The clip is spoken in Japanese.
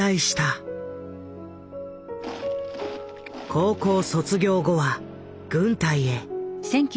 高校卒業後は軍隊へ。